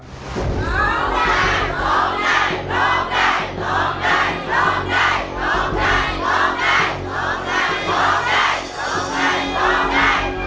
ร้องได้